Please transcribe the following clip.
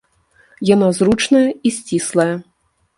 Яна зручная і сціслая.